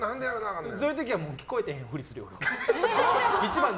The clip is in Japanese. そういう時は聞こえてへんふりするよ。